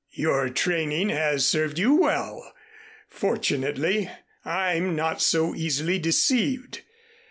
Your training has served you well. Fortunately I'm not so easily deceived.